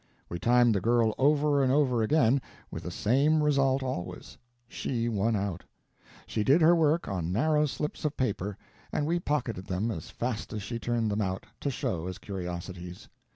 We timed the girl over and over again with the same result always: she won out. She did her work on narrow slips of paper, and we pocketed them as fast as she turned them out, to show as curiosities.